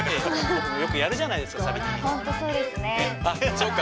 僕もよくやるじゃないですか。